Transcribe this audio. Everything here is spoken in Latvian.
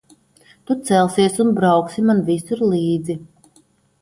Tu celsies un brauksi man visur līdzi.